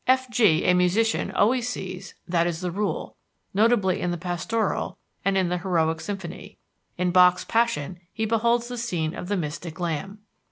F. G., a musician, always sees that is the rule, notably in the Pastoral, and in the Heroic Symphony. In Bach's Passion he beholds the scene of the mystic lamb.